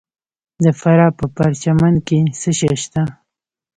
د فراه په پرچمن کې څه شی شته؟